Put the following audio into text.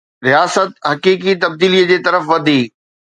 رياست حقيقي تبديليءَ جي طرف وڌي